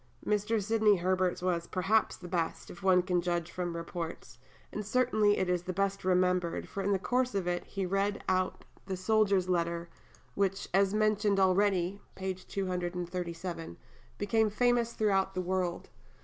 Mr. Sidney Herbert's was, perhaps, the best, if one can judge from the reports; and certainly it is the best remembered, for in the course of it he read out the soldier's letter, which, as mentioned already (p. 237), became famous throughout the world.